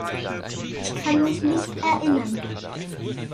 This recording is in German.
Ich kann mich nicht erinnern.